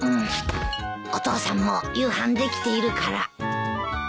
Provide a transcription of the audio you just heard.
お父さんも夕飯できているから。